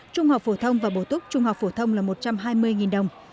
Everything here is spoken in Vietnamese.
trung học phổ thông và bổ túc trung học phổ thông là một trăm hai mươi đồng